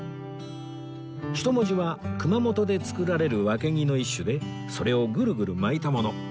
ひともじは熊本で作られるワケギの一種でそれをぐるぐる巻いたもの